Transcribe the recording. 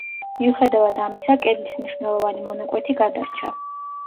მიუხედავად ამისა კედლის მნიშვნელოვანი მონაკვეთი გადარჩა.